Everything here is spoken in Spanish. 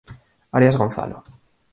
Arias Gonzalo.